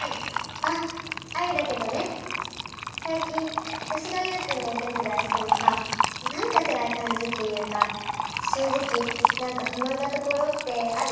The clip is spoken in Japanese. あっアイだけどねさいきんわたしがユウくんのおてつだいしてもさなんかくらいかんじっていうかしょうじきなんかふまんなところってある？